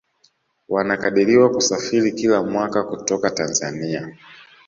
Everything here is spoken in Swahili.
Wanakadiriwa kusafiri kila mwaka kutoka Tanzania